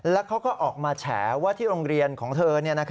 แล้วเขาก็ออกมาแฉว่าที่โรงเรียนของเธอ